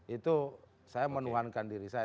itu saya menuhankan diri saya